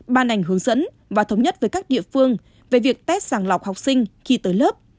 ban ảnh hướng dẫn và thống nhất với các địa phương về việc test sàng lọc học sinh khi tới lớp